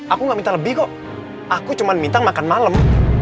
aku gak minta lebih kok aku cuma minta makan malam